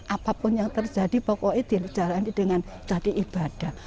apapun yang terjadi pokoknya dirjalani dengan ibadah